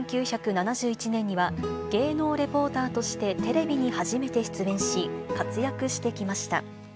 １９７１年には、芸能レポーターとしてテレビに初めて出演し、活躍してきました。